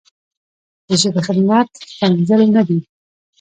د ژبې خدمت ښکنځل نه دي.